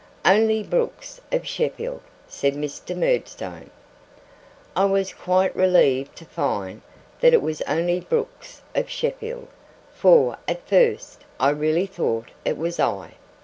'Only Brooks of Sheffield,' said Mr. Murdstone. I was quite relieved to find that it was only Brooks of Sheffield; for, at first, I really thought it was I.